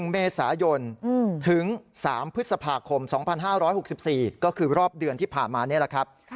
๑เมษายนถึง๓พฤษภาคม๒๕๖๔ก็คือรอบเดือนที่ผ่านมานี่แหละครับ